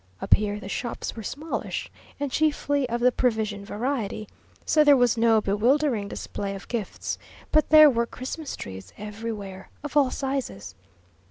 Up here the shops were smallish, and chiefly of the provision variety, so there was no bewildering display of gifts; but there were Christmas trees everywhere, of all sizes.